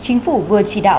chính phủ vừa chỉ đạo